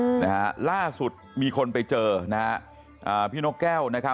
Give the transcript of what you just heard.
อืมนะฮะล่าสุดมีคนไปเจอนะฮะอ่าพี่นกแก้วนะครับ